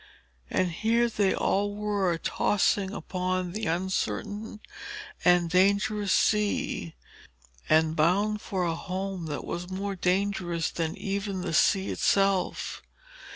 And here they all were, tossing upon the uncertain and dangerous sea, and bound for a home that was more dangerous than even the sea itself.